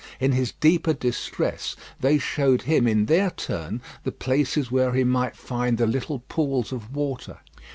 In his deeper distress they showed him in their turn the places where he might find the little pools of water.